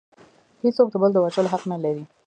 هیڅوک د بل د وژلو حق نلري